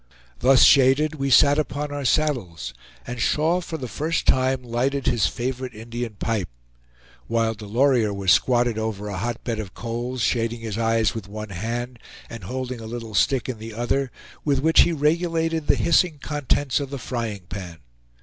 Thus shaded, we sat upon our saddles, and Shaw for the first time lighted his favorite Indian pipe; while Delorier was squatted over a hot bed of coals, shading his eyes with one hand, and holding a little stick in the other, with which he regulated the hissing contents of the frying pan.